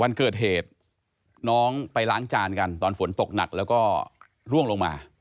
วันเกิดเหตุน้องไปล้างจานกันตอนฝนตกหนักแล้วก็ร่วงลงมา